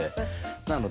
なので。